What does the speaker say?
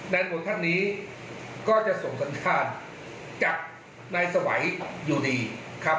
แนบบทัดนี้ก็จะส่งสันตาลจากนายสวัยอยู่ดีครับ